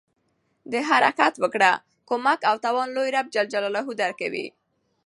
د حرکت وکړه، کومک او توان لوی رب ج درکوي.